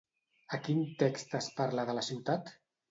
A quin text es parla de la ciutat?